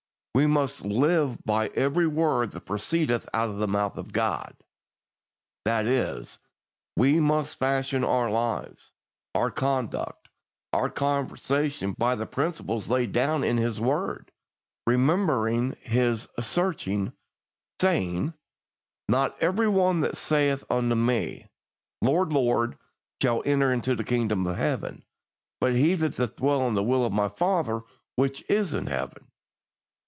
We must "live by every word that proceedeth out of the mouth of God"; that is, we must fashion our lives, our conduct, our conversation by the principles laid down in His word, remembering His searching saying, "Not every one that saith unto Me, Lord, Lord, shall enter into the Kingdom of Heaven, but he that doeth the will of My Father which is in Heaven."